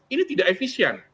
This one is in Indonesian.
ini tidak efisien